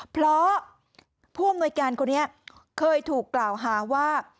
เพราะผู้อำนวยการคนนี้เคยถูกกล่าวหาว่า